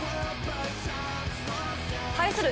対する